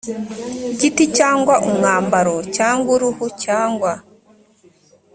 giti cyangwa umwambaro cyangwa uruhu cyangwa